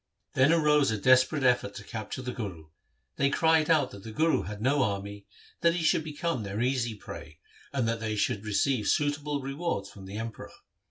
Then arose a desperate effort to capture the Guru. They cried out that the Guru bad no army, that he should become their easy prey, and that they should receive suitable rewards from the Emperor.